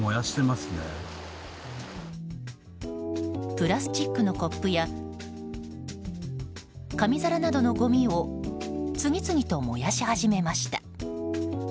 プラスチックのコップや紙皿などのごみを次々と燃やし始めました。